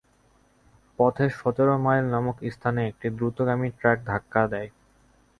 পথে সতেরো মাইল নামক স্থানে একটি দ্রুতগামির ট্রাক তাদের ধাক্কা দেয়।